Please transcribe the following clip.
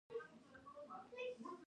چیني انجنیران په ټوله نړۍ کې کار کوي.